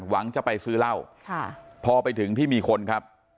หวังจะไปซื้อเหล้าพอไปถึงที่มีคนครับ